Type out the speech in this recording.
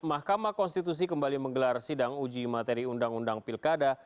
mahkamah konstitusi kembali menggelar sidang uji materi undang undang pilkada